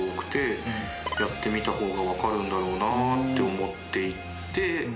やってみたほうが分かるんだろうなって思って行って。